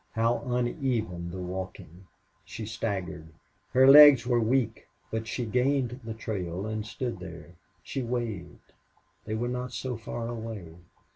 How uneven the walking! She staggered. Her legs were weak. But she gained the trail and stood there. She waved. They were not so far away.